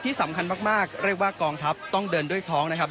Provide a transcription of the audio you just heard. ที่สำคัญมากเรียกว่ากองทัพต้องเดินด้วยท้องนะครับ